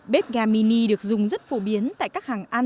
bếp ga mini được dùng rất phổ biến tại các hàng ăn quán ăn